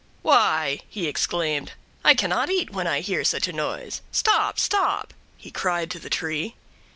"Why," he exclaimed, "I cannot eat when I hear such a noise. "Stop, stop!" he cried to the tree.